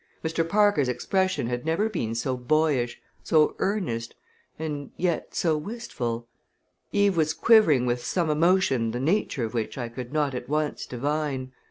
Mr. Parker's expression had never been so boyish, so earnest, and yet so wistful. Eve was quivering with some emotion the nature of which I could not at once divine.